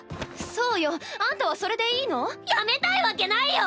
そうよ。あんたはそれでいいの⁉辞めたいわけないよ！